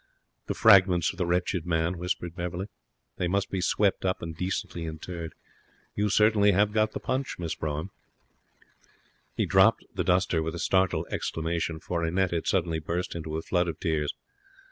'The fragments of the wretched man,' whispered Beverley. 'They must be swept up and decently interred. You certainly have got the punch, Miss Brougham.' He dropped the duster with a startled exclamation, for Annette had suddenly burst into a flood of tears.